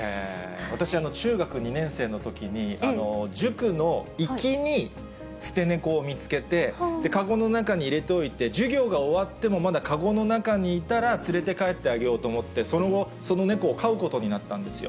私、中学２年生のときに、塾の行きに捨て猫を見つけて、籠の中に入れておいて、授業が終わっても、まだ籠の中にいたら、連れて帰ってあげようと思って、その後、その猫を飼うことになったんですよ。